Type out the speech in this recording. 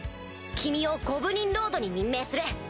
君を「ゴブリン・ロード」に任命する！